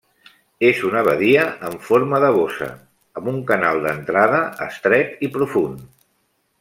És una badia en forma de bossa amb un canal d'entrada estret i profund.